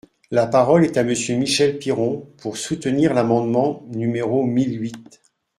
La parole est à Monsieur Michel Piron, pour soutenir l’amendement numéro mille huit.